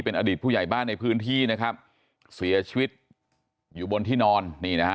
เป็นอดีตผู้ใหญ่บ้านในพื้นที่นะครับเสียชีวิตอยู่บนที่นอนนี่นะฮะ